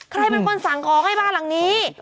ใครเป็นคนสั่งของให้บ้านหลังนี้